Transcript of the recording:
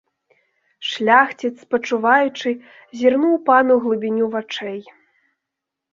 Шляхціц, спачуваючы, зірнуў пану ў глыбіню вачэй.